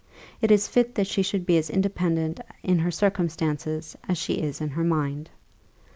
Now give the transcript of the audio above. It is fit that she should be as independent in her circumstances as she is in her mind."